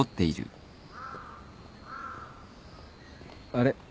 あれ？